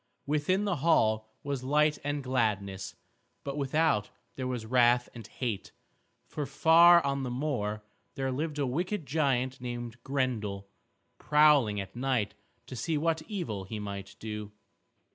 Within the hall was light and gladness, but without there was wrath and hate. For far on the moor there lived a wicked giant named Grendel, prowling at night to see what evil he might do.